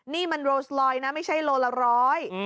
นี่มันโรสลอยนะไม่ใช่โลละร้อย